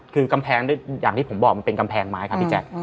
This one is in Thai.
คือกำแพงด้วยอย่างที่ผมบอกมันเป็นกำแพงไม้ครับพี่แจ๊ค